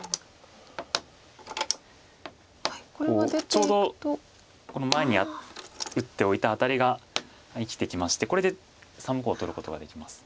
ちょうどこの前に打っておいたアタリが生きてきましてこれで３目を取ることができます。